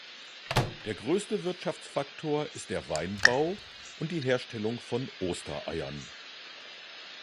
Der größte Wirtschaftsfaktor ist der Weinbau und die Herstellung von Ostereiern.